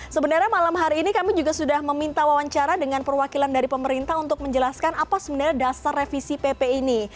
sebenarnya malam hari ini kami juga sudah meminta wawancara dengan perwakilan dari pemerintah untuk menjelaskan apa sebenarnya dasar revisi pp ini